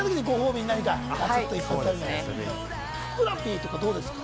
ふくらＰとかどうですか？